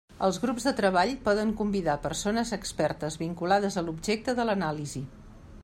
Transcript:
Els grups de treball poden convidar persones expertes vinculades a l'objecte de l'anàlisi.